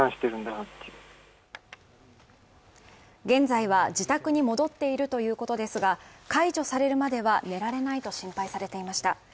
現在は自宅に戻っているということですが、解除されるまでは寝られないと心配されていました。